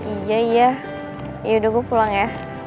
iya iya yaudah gue pulang ya